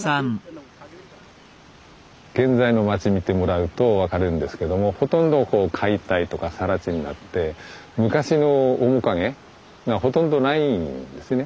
現在の町見てもらうと分かるんですけどもほとんど解体とかさら地になって昔の面影がほとんどないんですよね。